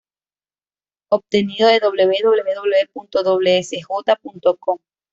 Obtenido de www.wsj.com.